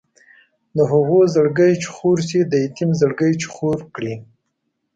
د هغو زړګی چې خور شي د یتیم زړګی چې خور کړي.